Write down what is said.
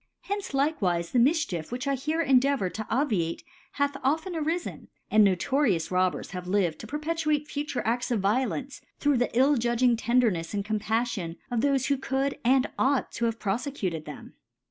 Uenqe likewifc the Mifchief which I here cndfavour tp obviate^ hath often.arilQri'5 apd notorious Robbers have lived to per^ |)etr^te fuwe A&s of Violence, through the ill }udging Tendernefi and Compdfion of thdiie who could and ought to have pro fccuted them.